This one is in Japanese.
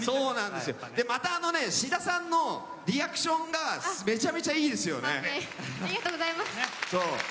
また志田さんのリアクションがめちゃめちゃいいです。